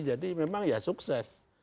jadi memang ya sukses